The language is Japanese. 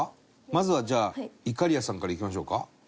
まずはじゃあいかりやさんからいきましょうか。